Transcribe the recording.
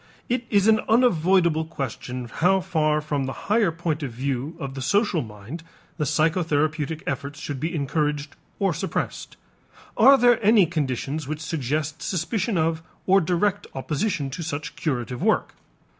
It is an unavoidable question how far from the higher point of view of the social mind the psychotherapeutic efforts should be encouraged or suppressed. Are there any conditions which suggest suspicion of or direct opposition to such curative work?